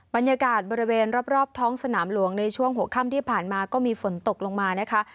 บรรยากาศบริเวณรอบท้องสนามหลวงในช่วงหัวค่ำที่ผ่านมาก็มีฝนตกลงมานะคะ